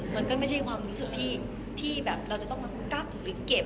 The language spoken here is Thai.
มันก็ไม่ใช่ความรู้สึกที่แบบเราจะต้องมากักหรือเก็บ